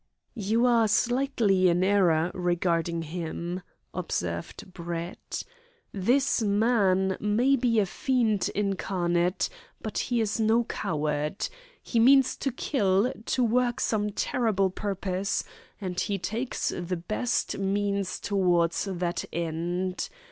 "You are slightly in error regarding him," observed Brett. "This man may be a fiend incarnate, but he is no coward. He means to kill, to work some terrible purpose, and he takes the best means towards that end.